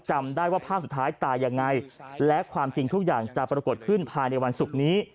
จำได้ว่าภาพสุดท้ายตายยังไงและความจริงทุกอย่างจะปรากฏขึ้นภายในวันศุกร์นี้